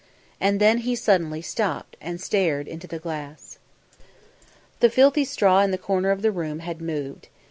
And then he suddenly stopped and stared into the glass. The filthy straw in the corner of the room had moved.